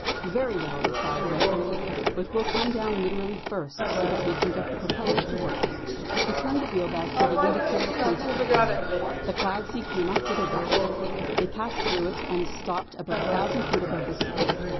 "Very well," replied Redgrave; "but we'll come down literally first, so that we can get the propellers to work." He turned the wheel back till the indicator pointed to five. The cloud sea came up with a rush. They passed through it, and stopped about a thousand feet above the sea.